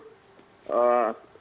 susah kalau dalam